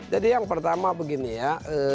jadi yang pertama begini ya